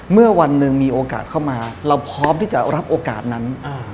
เมื่อวันหนึ่งมีโอกาสเข้ามาเราพร้อมที่จะรับโอกาสนั้น